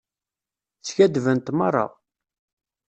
Skaddbent merra.